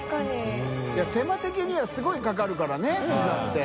い手間的にはすごいかかるからねピザって。